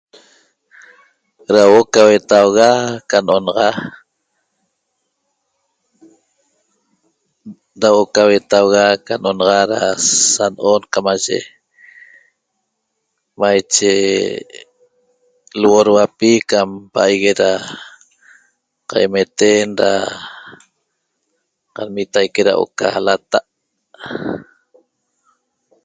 Ra huo'o ca huetauga ca no'onaxa ra Ra huo'o ca huetauga ca no'onaxa ra sano'on camaye maiche lhuorhuapi cam paigue ra qaimeten ra qanmitaique ra huo’o ca lata'